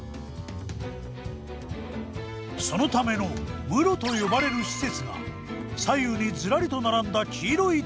そのための室と呼ばれる施設が左右にズラリと並んだ黄色い扉！